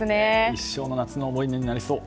一生の夏の思い出になりそう。